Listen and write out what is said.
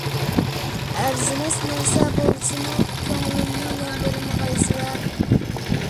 ئەرزىمەس نەرسە بولسىمۇ، كۆڭلۈمنى ياندۇرمىغايسىلەر.